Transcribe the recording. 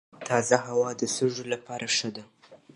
تازه هوا د سږو لپاره ښه ده.